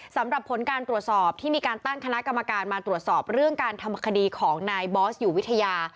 สำหรับผลการตรวจสอบที่มีการตั้งคณะกรรมการมาตรวจสอบเรื่องการทำคดีของนายบอสอยู่วิทยา